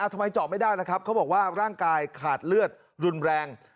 ทำไมเจาะไม่ได้ล่ะครับเขาบอกว่าร่างกายขาดเลือดรุนแรง